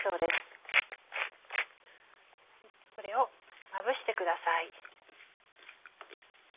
これをまぶしてください。